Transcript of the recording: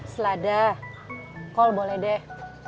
selada kol boleh deh